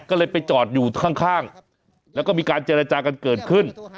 ก็เลยไปจอดอยู่ข้างแล้วก็มีการเจรจากันเกิดขึ้น